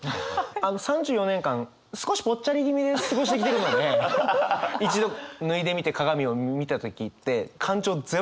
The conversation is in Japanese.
あの３４年間少しぽっちゃり気味で過ごしてきてるので一度脱いでみて鏡を見た時って感情ゼロでしたもんね。